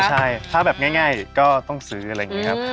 ใช่ถ้าแบบง่ายก็ต้องซื้ออะไรอย่างนี้ครับ